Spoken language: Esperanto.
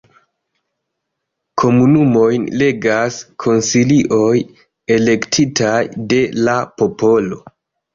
Komunumojn regas konsilioj elektitaj de la popolo.